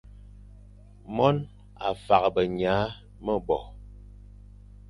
Mone a faghbe nya mebo,